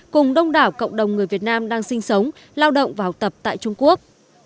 cùng đông đảo cộng đồng người việt nam đang sinh sống lao động và học tập tại trung quốc